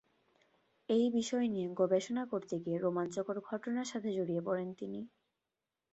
এই বিষয় নিয়ে গবেষণা করতে গিয়ে রোমাঞ্চকর ঘটনার সাথে জড়িয়ে পড়েন তিনি।